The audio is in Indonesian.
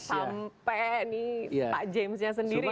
sampai ini pak james nya sendiri